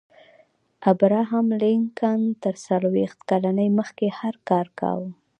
ابراهم لینکن تر څلویښت کلنۍ مخکې هر کار کاوه